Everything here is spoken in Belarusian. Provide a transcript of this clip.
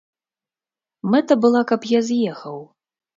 Мэта была, каб я з'ехаў.